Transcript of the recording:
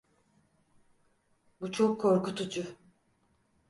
Bu çok korkutucu.